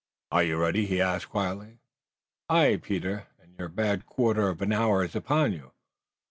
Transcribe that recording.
"Are you ready?" he asked quietly. "Aye, Peter, and your bad quarter of an hour is upon you."